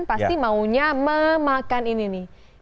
pasti maunya memakan ini nih